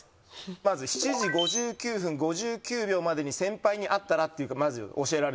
まず７時５９分５９秒までに先輩に会ったらって教えられるんすよ。